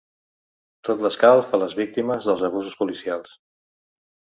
Tot l'escalf a les víctimes dels abusos policials!